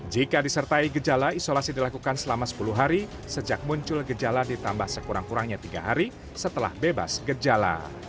jika disertai gejala isolasi dilakukan selama sepuluh hari sejak muncul gejala ditambah sekurang kurangnya tiga hari setelah bebas gejala